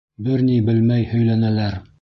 Бер ни белмәй һөйләнәләр.